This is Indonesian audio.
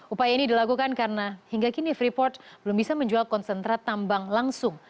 upaya ini dilakukan karena hingga kini freeport belum bisa menjual konsentrat tambang langsung